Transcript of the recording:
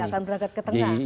akan berangkat ke tengah